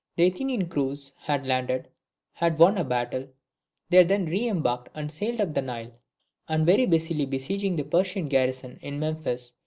The Athenian crews had landed, had won a battle; they had then re embarked and sailed up the Nile, and were busily besieging the Persian garrison in Memphis.